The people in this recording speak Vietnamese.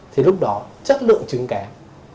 thì lúc đó chất lượng trứng kém